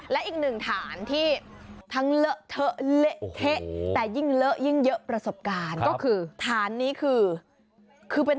และอีกหนึ่งฐานที่ทั้งเหลอะเทอะเละเทะแต่ยิ่งเหลอะยิ่งเยอะประสบการณ์ก็คือ